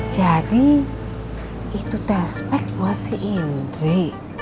jadi itu test pack buat si indri